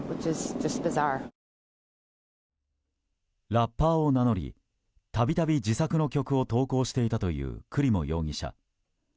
ラッパーを名乗り度々、自作の曲を投稿していたというクリモ容疑者。